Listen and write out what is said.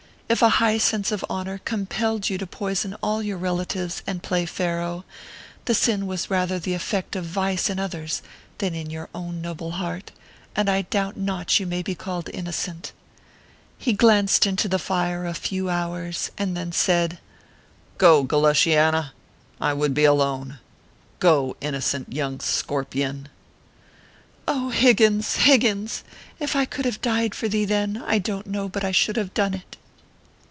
If a high sense of honor compelled you to poison all your relatives and play faro, the sin was rather the effect of vice in others than in your own noble heart, and I doubt not you may be called innocent," He glanced into the fire a few hours, and then said :" Go, Galushianna ! I would be alone ! Go, inno cent young scorpion." Oh, Higgins, Higgins, if I could have died for thee then, I don t know but I should have done it